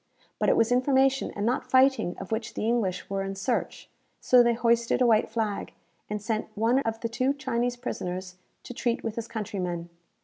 But it was information and not fighting of which the English were in search; so they hoisted a white flag, and sent one of the two Chinese prisoners to treat with his countrymen.